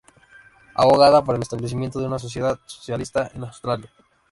Aboga por el establecimiento de una sociedad socialista en Australia.